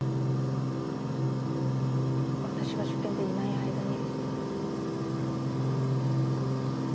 私が受験でいない間に。